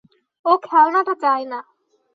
ও খেলনাটা চায় না।